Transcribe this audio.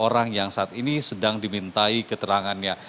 orang yang saat ini sedang dimintai keterangannya